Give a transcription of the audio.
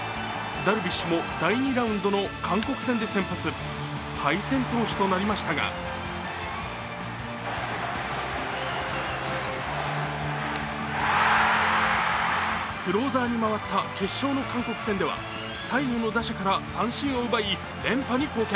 ダルビッシュも第２ラウンドの韓国戦で先発、敗戦投手となりましたがクローザーに回った決勝の韓国戦では最後の打者から三振を奪い、連覇に貢献。